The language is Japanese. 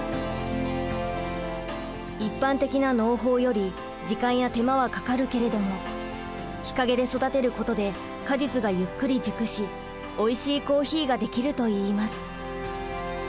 一般的な農法より時間や手間はかかるけれども日陰で育てることで果実がゆっくり熟しおいしいコーヒーが出来るといいます。